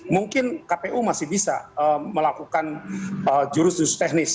mungkin kpu masih bisa melakukan jurus jurus teknis